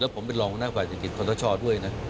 ผมเป็นรองหัวหน้าฝ่ายเศรษฐกิจขอสชด้วยนะ